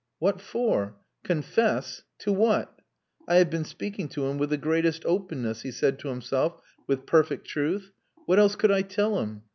What for? Confess! To what? "I have been speaking to him with the greatest openness," he said to himself with perfect truth. "What else could I tell him?